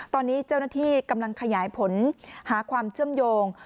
ตอนนี้เจ้าหน้าที่กำลังขยายผลหาความเชื่อมโยง